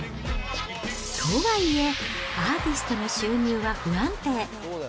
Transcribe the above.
とはいえ、アーティストの収入は不安定。